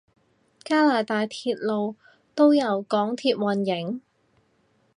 加拿大鐵路都由港鐵營運？